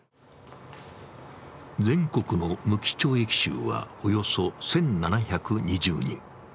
全国の無期懲役囚はおよそ１７２０人。